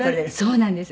そうなんです。